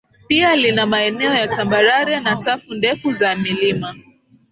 pia lina maeneo ya tambarare na safu ndefu za milima